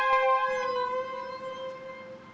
kalo diambil semua